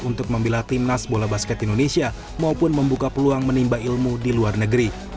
untuk membela timnas bola basket indonesia maupun membuka peluang menimba ilmu di luar negeri